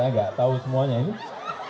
saya gak tau semuanya ini